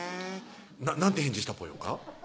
何て返事したぽよか？